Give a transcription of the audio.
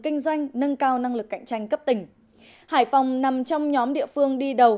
kinh doanh nâng cao năng lực cạnh tranh cấp tỉnh hải phòng nằm trong nhóm địa phương đi đầu